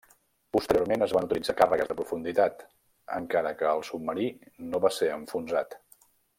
Posteriorment, es van utilitzar càrregues de profunditat, encara que el submarí no va ser enfonsat.